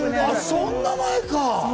そんな前か。